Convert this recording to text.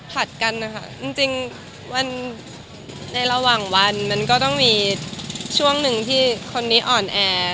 ผลัดกันนะคะจริงในระหว่างวันมันก็ต้องมีช่วงหนึ่งที่คนนี้อ่อนแอ